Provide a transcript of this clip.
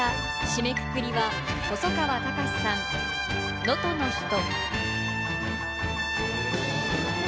締めくくりは細川たかしさん「能登の女」。